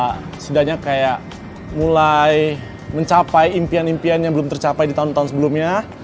sebenarnya kayak mulai mencapai impian impian yang belum tercapai di tahun tahun sebelumnya